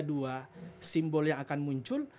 dua simbol yang akan muncul